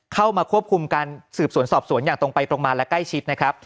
เข้ามาควบคุมการสืบสวนสอบสวนอย่างตรงไปตรงมาและใกล้ชิดนะครับ